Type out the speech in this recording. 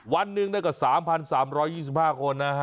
วันหนึ่งได้กว่า๓๓๒๕คนนะ